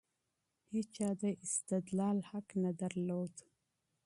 هيچا د استدلال حق نه درلود.